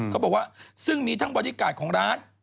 เขาบอกว่าซึ่งมีทั้งบอดี้การ์ดของร้าน